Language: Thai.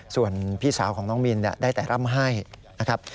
ส่วนพี่สาวของน้องมินได้แต่ร่ำให้นะครับ